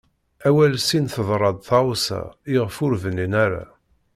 Awal sin teḍṛa-d tɣawsa i ɣef ur bnin ara.